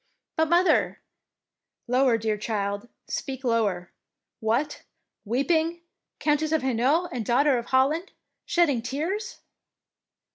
" But, mother —" "Lower, dear child, speak lower. What ! weeping? Countess of Hainault and Daughter of Holland shedding tears?